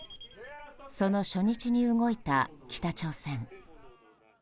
その初日に動いた北朝鮮。